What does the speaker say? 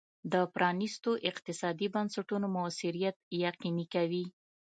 د پرانیستو اقتصادي بنسټونو موثریت یقیني کوي.